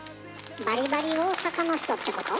バリバリ大阪の人ってこと？